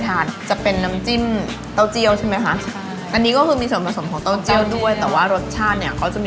อันนี้ก็เป็นผักผลขมติถนะคะ